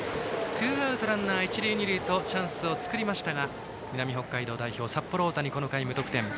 ツーアウトランナー、一塁二塁とチャンスを作りましたが南北海道代表、札幌大谷この回無得点。